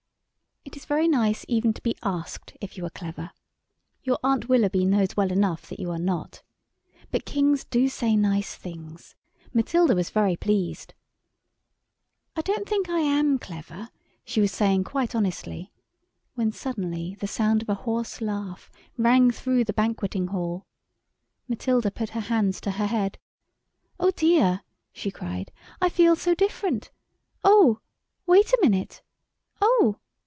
It is very nice even to be asked if you are clever. Your Aunt Willoughby knows well enough that you are not. But kings do say nice things. Matilda was very pleased. "I don't think I am clever," she was saying quite honestly, when suddenly the sound of a hoarse laugh rang through the banqueting hall. Matilda put her hands to her head. "Oh, dear!" she cried, "I feel so different. Oh! wait a minute. Oh!